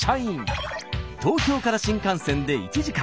東京から新幹線で１時間。